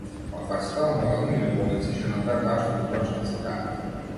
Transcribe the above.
Од двајцата аморални љубовници, жената е таа што никогаш не се кае.